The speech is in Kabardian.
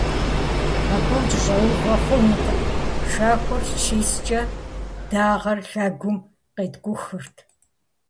Абы укӏэщӏэувэ хъунутэкъым - шэхур щискӀэ, дагъэр лъэгум къеткӀухырт.